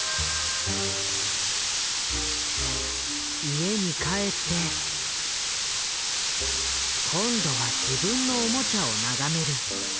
家に帰って今度は自分のおもちゃを眺める。